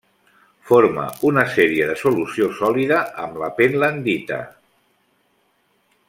Forma una sèrie de solució sòlida amb la pentlandita.